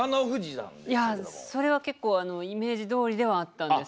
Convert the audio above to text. それは結構イメージどおりではあったんですけど。